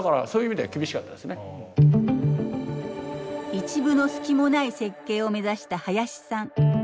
一分の隙もない設計を目指した林さん。